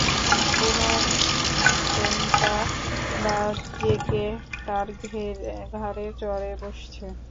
কোন কোনটা বা জেঁকে তার ঘাড়ে চড়ে বসছে।